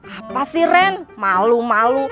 apa sih ren malu malu